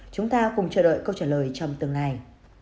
chúng ta cùng chờ đợi câu trả lời trong tương lai